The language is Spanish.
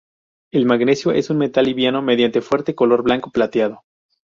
El magnesio es un metal liviano, medianamente fuerte, color blanco plateado.